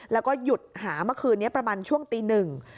แล้วก็หยุดหาเมื่อคืนนี้ประมาณช่วงตีหนึ่ง